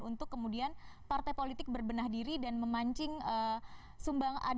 untuk kemudian partai politik berbenah diri dan memancing sumbangan